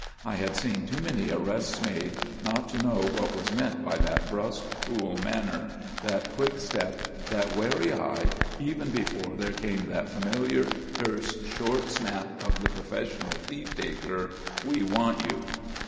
I had seen too many arrests made not to know what was meant by that brusque, cool manner, that quick step, that wary eye even before there came that familiar terse, short snap of the professional thief taker: "_We want you!